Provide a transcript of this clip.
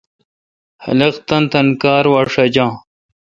خلق تانی تانی کار وا ݭجا۔